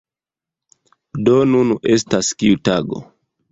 Do, nun estas... kiu tago?